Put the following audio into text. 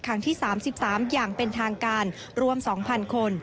ครั้งที่๓๓อย่างเป็นทางการรวม๒๐๐คน